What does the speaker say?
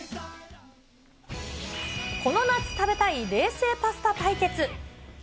この夏食べたい冷製パスタ対決。